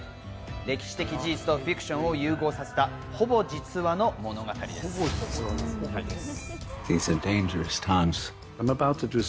歴史的事実とフィクションを融合させたほぼ実話の物語です。